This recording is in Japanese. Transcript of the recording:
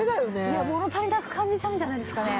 いや物足りなく感じちゃうんじゃないですかね。